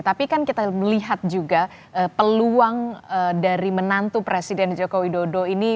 tapi kan kita melihat juga peluang dari menantu presiden joko widodo ini